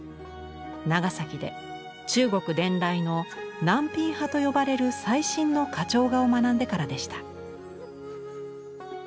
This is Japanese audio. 長崎で中国伝来の南蘋派と呼ばれる最新の花鳥画を学んでからでした。